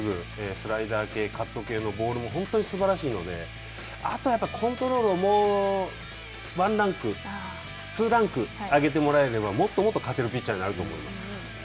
スライダー系、カット系のボールも本当にすばらしいのであとは、コントロールをもうワンランク、ツーランク上げてもらえればもっともっと活躍できるピッチャーになると思います。